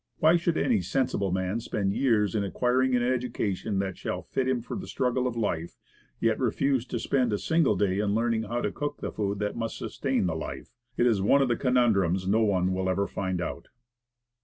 Why should any sensible man spend years in acquiring an education that shall fit him for the struggle of life, yet refuse to spend a single day in learning how to cook the food that must sustain the life? It is one of the conundrums no one will ever find out.